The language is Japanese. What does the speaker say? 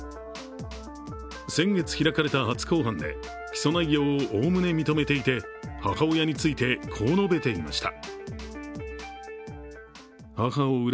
先月開かれた初公判で、起訴内容をおおむね認めていて、母親について、こう述べていました。